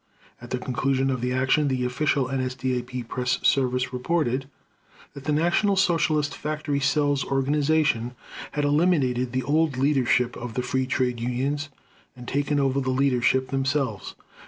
At the conclusion of the action the official NSDAP press service reported that the National Socialist Factory Cells Organization had "eliminated the old leadership of Free Trade Unions" and taken over the leadership themselves.